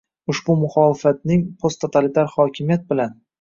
Ushbu “muxolifatning” posttotalitar hokimiyat bilan